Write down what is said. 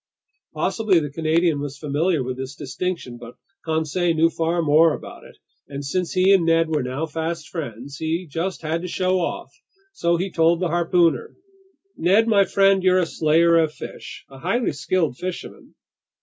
Possibly the Canadian was familiar with this distinction, but Conseil knew far more about it; and since he and Ned were now fast friends, he just had to show off. So he told the harpooner: "Ned my friend, you're a slayer of fish, a highly skilled fisherman.